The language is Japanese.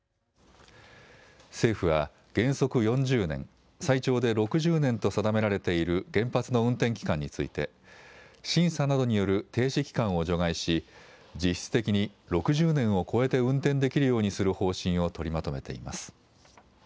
政府は原則４０年、最長で６０年と定められている原発の運転期間について審査などによる停止期間を除外し実質的に６０年を超えて運転できるようにする方針を取りまとめています。